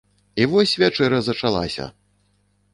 І вось вячэра зачалася!